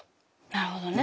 なるほどね。